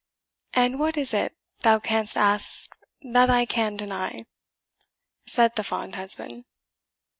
"And what is it thou canst ask that I can deny?" said the fond husband.